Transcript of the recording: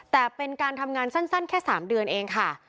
แต่เป็นการทำงานสั้นแค่๓เดือนเองค่ะ